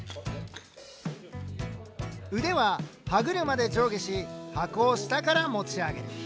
腕は歯車で上下し箱を下から持ち上げる。